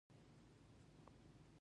د کرکټ ډګر ګيردى يي.